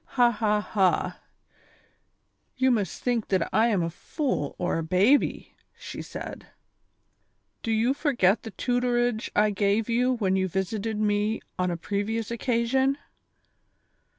" Ha ! ha ! ha ! you must think that I am a fool or a baby," she said. "Do j ou forget the tutorage I gave you when you visited me on a previous occasion